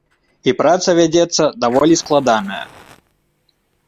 І праца вядзецца даволі складаная.